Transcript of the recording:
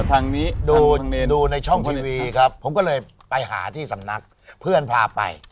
ทางนี้ดูในช่องทีวีครับผมก็เลยไปหาที่สำนักเพื่อนพาไป